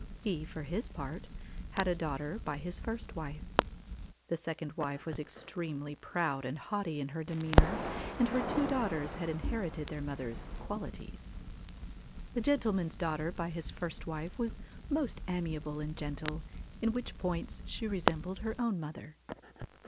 He, for his part, had a daughter by his first wife. The second wife was extremely proud and haughty in her demeanour, and her two daughters had inherited their mother's qualities. The gentleman's daughter by his first wife was most amiable and gentle, in which points she resembled her own mother.